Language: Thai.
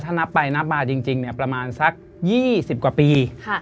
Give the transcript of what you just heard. ถ้านับไปนับมาจริงประมาณสัก๒๐กว่าปี